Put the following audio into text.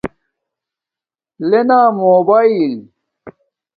لےنا موباݵل